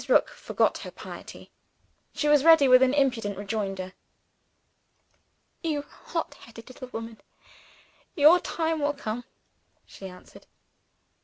Rook forgot her piety; she was ready with an impudent rejoinder. "You hot headed little woman, your time will come," she answered.